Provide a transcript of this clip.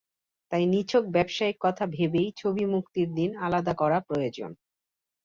তাই নিছক ব্যবসায়িক কথা ভেবেই ছবি মুক্তির দিন আলাদা করা প্রয়োজন।